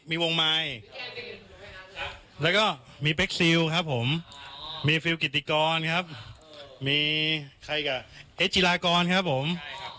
มีวงมายแล้วก็มีครับผมมีครับมีใครกับครับผมได้